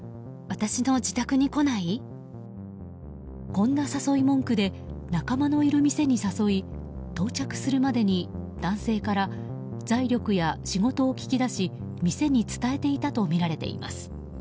こんな誘い文句で仲間のいる店に誘い到着するまでに男性から財力や仕事を聞き出し店に伝えていたとみられています。